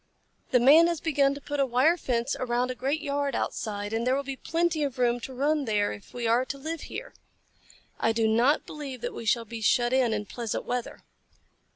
The Man has begun to put a wire fence around a great yard outside, and there will be plenty of room to run there if we are to live here. I do not believe that we shall be shut in, in pleasant weather."